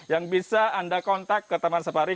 yang bisa anda kontak ke taman safari